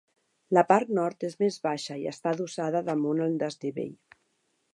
La part nord és més baixa i està adossada damunt el desnivell.